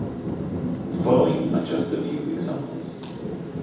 The following are just a few examples.